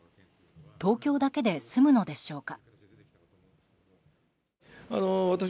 東京だけで済むのでしょうか。